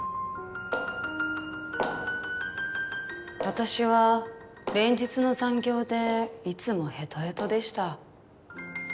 私は連日の残業でいつもヘトヘトでした。